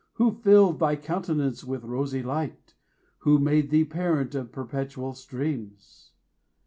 Who filled thy countenance with rosy light? Who made thee parent of perpetual streams?